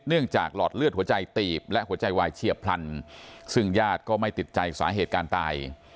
จากหลอดเลือดหัวใจตีบและหัวใจวายเฉียบพลันซึ่งญาติก็ไม่ติดใจสาเหตุการตาย